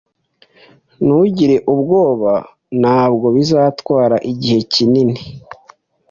Ntugire ubwoba. Ntabwo bizatwara igihe kinini.